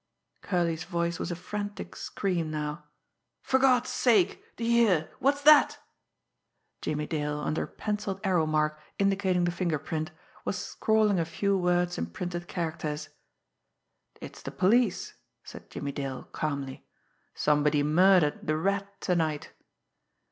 Curley's voice was a frantic scream now. "For God's sake, do you hear, what's that!" Jimmie Dale, under a pencilled arrow mark indicating the finger print, was scrawling a few words in printed characters. "It's the police," said Jimmie Dale calmly. "Somebody murdered the Rat to night!"